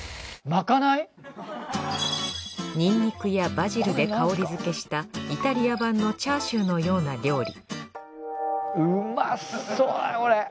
ニンニクやバジルで香りづけしたイタリア版のチャーシューのような料理